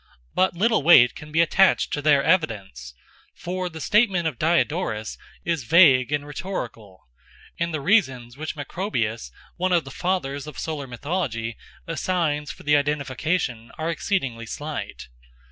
But little weight can be attached to their evidence; for the statement of Diodorus is vague and rhetorical, and the reasons which Macrobius, one of the fathers of solar mythology, assigns for the identification are exceedingly slight.